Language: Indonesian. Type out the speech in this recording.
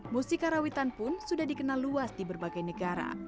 musik karawitan pun sudah dikenal luas di berbagai negara